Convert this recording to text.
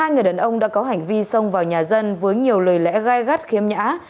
hai người đàn ông đã có hành vi xông vào nhà dân với nhiều lời lẽ gai gắt khiếm nhã